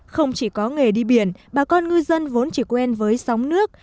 không chỉ có nghề đi biển bà con ngư dân vốn chỉ quen với sóng nước